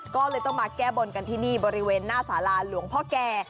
ก็เลยต้องมาแก้บนกันที่นี่บริเวณหน้าสาราหลวงพ่อแก่